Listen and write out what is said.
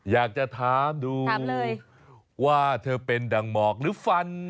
อยากจะถามดูว่าเธอเป็นดังหมอกหรือฟัน